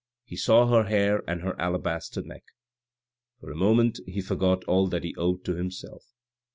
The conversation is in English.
He saw her hair and her alabaster neck. For a moment he forgot all he owed to himself.